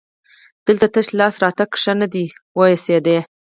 دلته تش لاس راتګ ښه نه راته وایسېد.